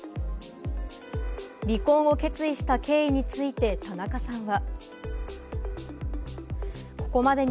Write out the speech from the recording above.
離婚を決意した経緯について、田中さんは。